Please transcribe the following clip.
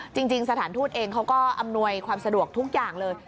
สถานทูตเองเขาก็อำนวยความสะดวกทุกอย่างเลย